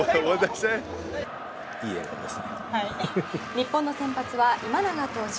日本の先発は今永投手。